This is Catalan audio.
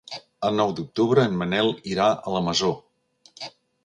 El nou d'octubre en Manel irà a la Masó.